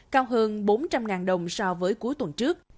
cao hơn bốn trăm linh đồng so với cuối tuần trước